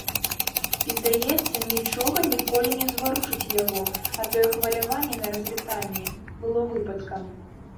І, здаецца, нічога ніколі не ўзварушыць яго, а тое хваляванне на развітанні было выпадкам.